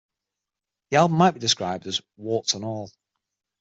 The album might be described as "warts and all".